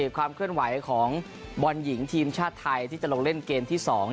ความเคลื่อนไหวของบอลหญิงทีมชาติไทยที่จะลงเล่นเกมที่๒